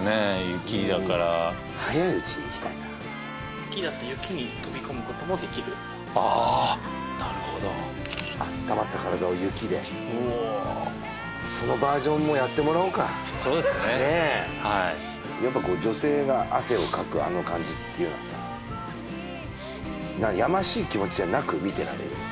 雪だから早いうちに行きたいな雪だとああなるほど温まった体を雪でうわそのバージョンもやってもらおうかそうですねはいねえやっぱこう女性が汗をかくあの感じっていうのはさやましい気持ちじゃなく見てられるよね